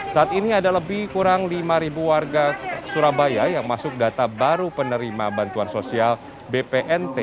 saat ini ada lebih kurang lima warga surabaya yang masuk data baru penerima bantuan sosial bpnt